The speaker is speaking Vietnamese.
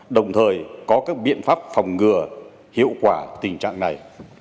đồng thời có các biện pháp phòng ngừa hiệu quả tình trạng này